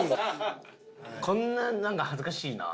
こんななんか恥ずかしいな。